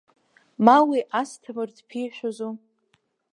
Ма уи Асҭамыр дԥишәозу?